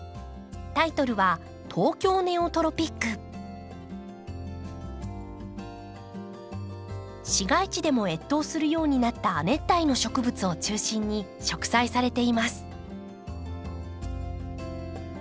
タイトルは市街地でも越冬するようになった亜熱帯の植物を中心に植栽されています。